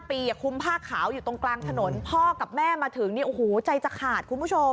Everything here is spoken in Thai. ปีคุมผ้าขาวอยู่ตรงกลางถนนพ่อกับแม่มาถึงนี่โอ้โหใจจะขาดคุณผู้ชม